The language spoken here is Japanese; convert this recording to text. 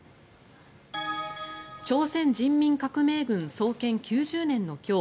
朝鮮人民革命軍創建９０年の今日